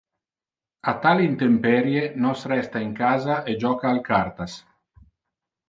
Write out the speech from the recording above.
A tal intemperie nos resta in casa e joca al cartas.